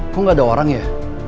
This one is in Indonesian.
kok gak ada orang ya